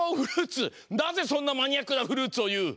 なぜそんなマニアックなフルーツをいう！